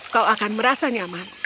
kau akan merasa nyaman